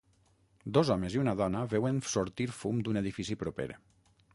Dos homes i una dona veuen sortir fum d'un edifici proper.